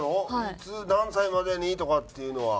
いつ何歳までにとかっていうのは？